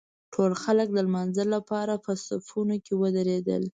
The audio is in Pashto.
ټول خلک د لمانځه لپاره په صفونو کې ودرېدل.